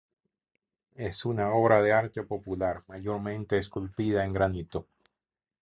Es una obra de arte popular, mayormente esculpida en granito.